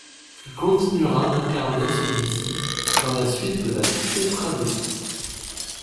Il continuera d'incarner celui-ci dans la suite de la tétralogie.